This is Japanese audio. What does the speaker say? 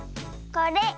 これ。